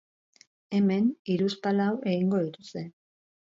Hemen hiruzpalau egingo dituzte.